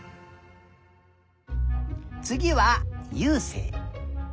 つぎはゆうせい。